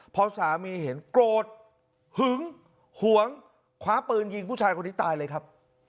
พอสามีเห็นโกรธหึงหวงคว้าปืนยิงผู้ชายคนนี้ตายเลยครับ